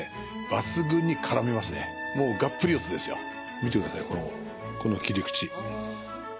見てくださいこの切り口。